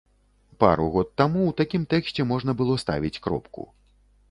Пару год таму ў такім тэксце можна было ставіць кропку.